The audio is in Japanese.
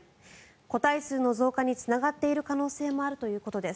個体数の増加につながっている可能性もあるということです。